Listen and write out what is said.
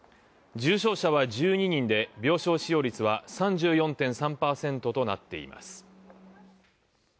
重症者は１２人で病床使用率は３４．３％となっています。